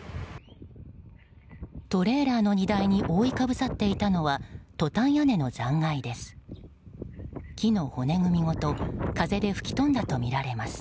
トレーラーの荷台に覆いかぶさっていたのはトタン屋根の残骸です。